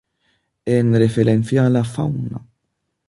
En referencia a la fauna.